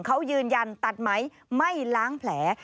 เขายืนยันตัดไหมไม่ล้างแผล